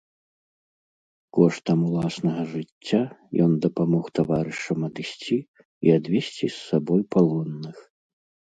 Коштам уласнага жыцця ён дапамог таварышам адысці і адвесці з сабой палонных.